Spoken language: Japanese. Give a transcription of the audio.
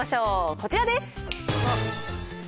こちらです。